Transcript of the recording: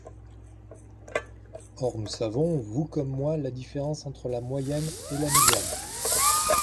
Or nous savons, vous comme moi, la différence entre la moyenne et la médiane.